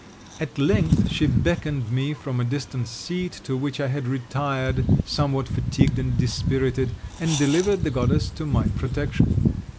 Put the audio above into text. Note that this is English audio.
At length she beckoned me from a distant seat, to which I had retired somewhat fatigued and dispirited, and delivered the goddess to my protection.